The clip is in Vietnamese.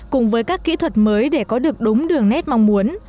cùng với các kỹ thuật mới để có được đúng đường nét mong muốn